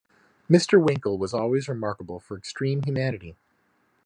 Mr. Winkle was always remarkable for extreme humanity.